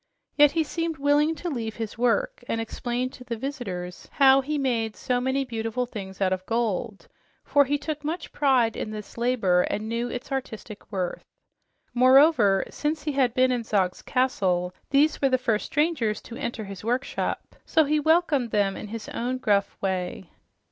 Yet he seemed willing to leave his work and explain to the visitors how he made so many beautiful things out of gold, for he took much pride in this labor and knew its artistic worth. Moreover, since he had been in Zog's castle these were the first strangers to enter his workshop, so he welcomed them in his own gruff way.